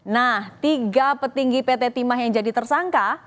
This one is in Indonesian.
nah tiga petinggi pt timah yang jadi tersangka